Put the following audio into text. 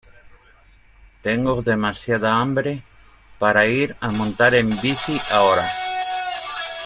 Tengo demasiada hambre para ir a montar en bici ahora.